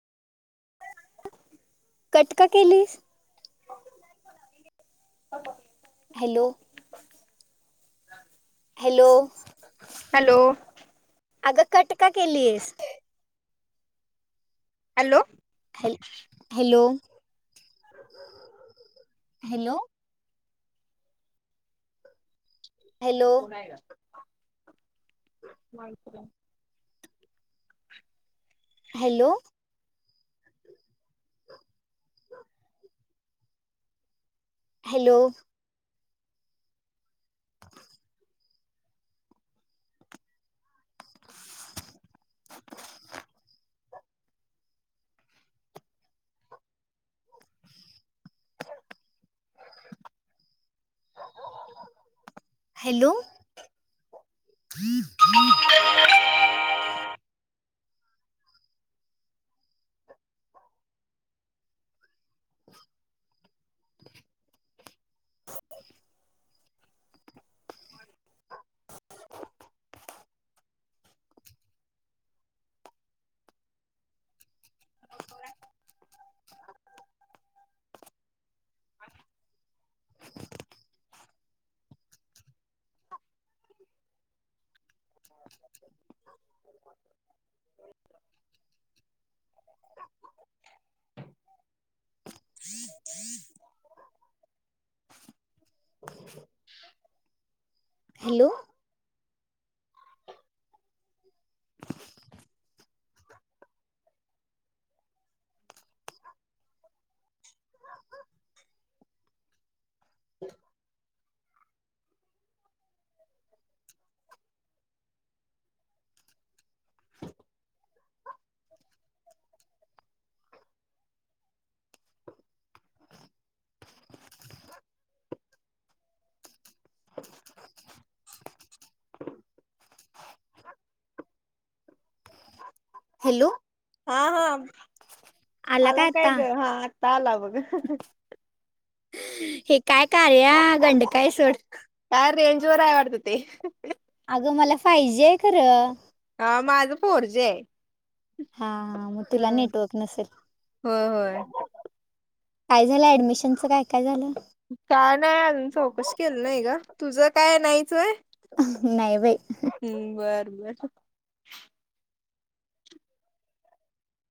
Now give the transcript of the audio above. Cut का केलीस? [unintelligible] Hello hello hello अगं कट का केलीस? Hello hello hello hello hello कोण आहे ग? [unintelligible] हॅलो हॅलो हॅलो [unintelligible] [inaudible] [inaudible] [inaudible] ब [inaudible] [inaudible] [inaudible] हॅलो हॅलो हा हा आला का काय आता ग हा आत्ता आला बघ [inaudible] हे काय कार्य या गंडकाई सोड. काय रेंज वर आहे वाटत ते [inaudible] अगं मला पाहिजे ये खरं. हा माझं फोर जी ये. हा हा मग तुला नेटवर्क नसेल [inaudible] होय होय काय झालं ऍडमिशनच काय काय झालं. का नाही अजून चौकशी केलं नाही ग तुझ काय नाहीच वयं. नाही बाई. हम्म बर बर